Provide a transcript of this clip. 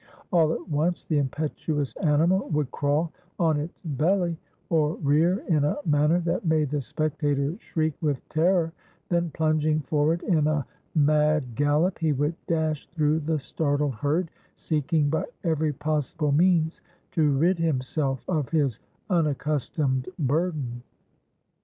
All at once the impetuous animal would crawl on its belly, or rear in a manner that made the spectators shriek with terror, then, plunging forward in a mad gallop, he would dash through the startled herd, seeking by every possible means to rid himself of his unaccustomed burden.